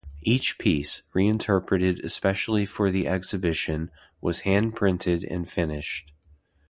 Each piece, reinterpreted especially for the exhibition, was hand-printed and finished.